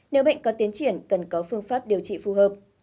nếu bệnh có tiến triển cần có phương pháp điều trị phù hợp